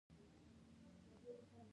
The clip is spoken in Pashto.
سمندر نه شتون د افغانستان د اقتصاد برخه ده.